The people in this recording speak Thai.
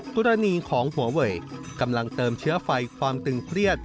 กรณีของหัวเวยกำลังเติมเชื้อไฟความตึงเครียด